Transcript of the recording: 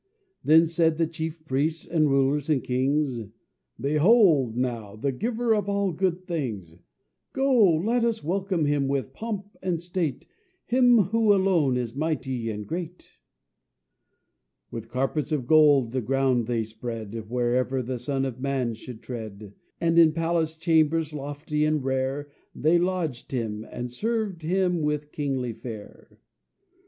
Then said the chief priests, and rulers, and kings, "Behold, now, the Giver of all good things; Go to, let us welcome with pomp and state Him who alone is mighty and great." With carpets of gold the ground they spread Wherever the Son of Man should tread, And in palace chambers lofty and rare They lodged him, and served him with kingly fare.